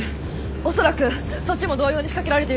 おそらくそっちも同様に仕掛けられているはず。